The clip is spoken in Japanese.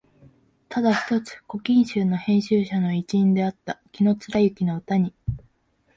ただ一つ「古今集」の編集者の一員であった紀貫之の歌に、